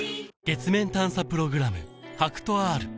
月面探査プログラム